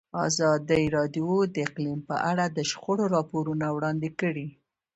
ازادي راډیو د اقلیم په اړه د شخړو راپورونه وړاندې کړي.